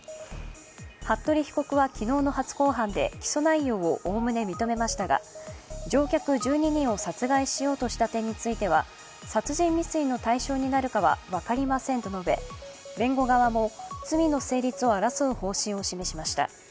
服部被告は昨日の初公判で起訴内容を概ね認めましたが乗客１２人を殺害しようとした点については殺人未遂の対象になるかは分かりませんと述べ弁護側も罪の成立を争う方針を示しました。